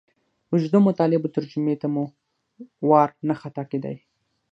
اوږدو مطالبو ترجمې ته مو وار نه خطا کېدئ.